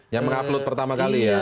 yang mengupload pertama kali ya